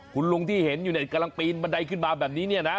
คุณลุงที่เห็นอยู่เนี่ยกำลังปีนบันไดขึ้นมาแบบนี้เนี่ยนะ